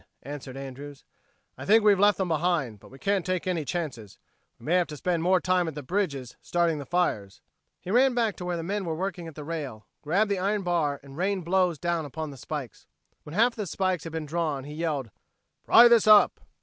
answered Andrews. "I think we've left them behind, but we can't take any chances. We may have to spend more time at the bridges starting the fires." He ran back to where the men were working at the rail, grabbed the iron bar and rained blows down upon the spikes. When half of the spikes had been drawn, he yelled, "Pry this up!"